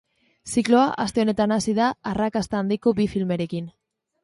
Zikloa aste honetan hasi da arrakasta handiko bi filmerekin.